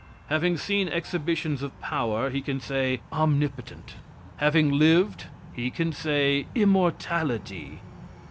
Having seen exhibitions of power, he can say, omnipotent. Having lived, he can say, immortality.